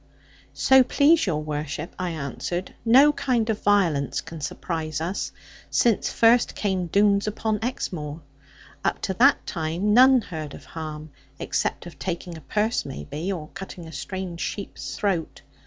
'So please your worship,' I answered; 'no kind of violence can surprise us, since first came Doones upon Exmoor. Up to that time none heard of harm; except of taking a purse, maybe, or cutting a strange sheep's throat.